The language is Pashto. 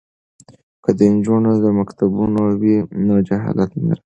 که د نجونو مکتبونه وي نو جهالت نه راځي.